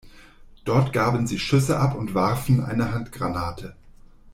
Dort gaben sie Schüsse ab und warfen eine Handgranate.